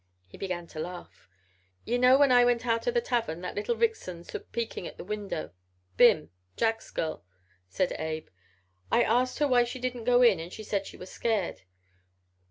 He began to laugh. "Ye know when I went out of the tavern that little vixen stood peekin' into the window Bim, Jack's girl," said Abe. "I asked her why she didn't go in and she said she was scared.